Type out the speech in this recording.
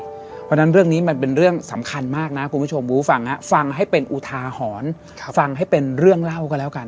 เพราะฉะนั้นเรื่องนี้มันเป็นเรื่องสำคัญมากนะคุณผู้ชมบูฟังฮะฟังให้เป็นอุทาหรณ์ฟังให้เป็นเรื่องเล่าก็แล้วกัน